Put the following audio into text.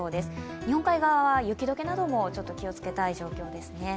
日本海側は雪解けなども気をつけたい状況ですね。